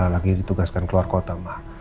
lagi ditugaskan keluar kota mbak